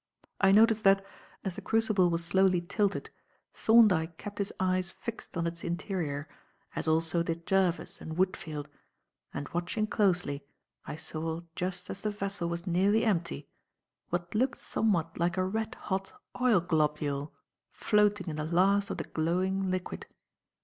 I noticed that, as the crucible was slowly tilted, Thorndyke kept his eyes fixed on its interior, as also did Jervis and Woodfield; and, watching closely, I saw just as the vessel was nearly empty, what looked somewhat like a red hot oil globule floating in the last of the glowing liquid.